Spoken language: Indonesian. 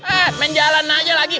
eh menjalan aja lagi